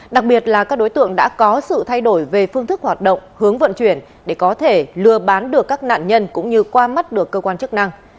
đặc biệt là các đối tượng đã có sự thay đổi về phương thức hoạt động hướng vận chuyển để có thể lừa bán được các nạn nhân cũng như qua mắt được cơ quan chức năng